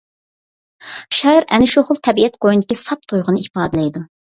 شائىر ئەنە شۇ خىل تەبىئەت قوينىدىكى ساپ تۇيغۇنى ئىپادىلەيدۇ.